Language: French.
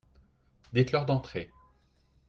Dites-leurs d'entrer.